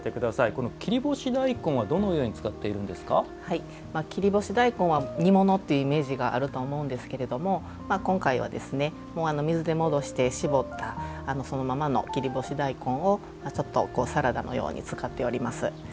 この切り干し大根は切り干し大根は煮物というイメージがあると思うんですけれども今回は水で戻して絞ったそのままの切り干し大根をちょっとサラダのように使っております。